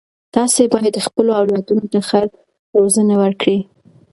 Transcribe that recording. تاسې باید خپلو اولادونو ته ښه روزنه ورکړئ.